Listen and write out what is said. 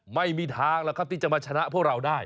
ไม่มีทางแล้วครับที่จะมาชนะพวกเราได้